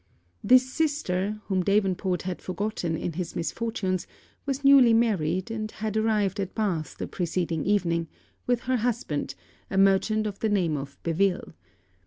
This sister, whom Davenport had forgotten in his misfortunes, was newly married; and had arrived at Bath the preceding evening, with her husband, a merchant of the name of Beville.